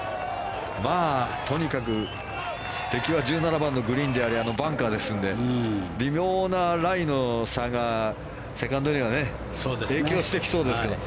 まあ、とにかく敵は１７番のグリーンでありあのバンカーですので微妙なライの差がセカンドには影響してきそうですけど。